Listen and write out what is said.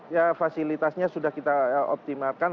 ya fasilitasnya sudah kita optimalkan